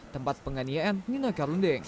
tempat penganiayaan ninoi karundeng